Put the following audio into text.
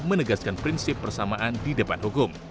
menegaskan prinsip persamaan di depan hukum